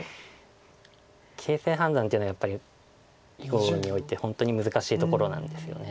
形勢判断っていうのはやっぱり囲碁において本当に難しいところなんですよね。